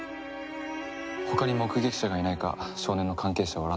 他に目撃者がいないか少年の関係者を洗ってくれ。